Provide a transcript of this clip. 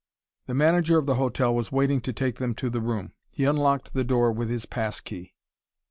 The manager of the hotel was waiting to take them to the room. He unlocked the door with his pass key.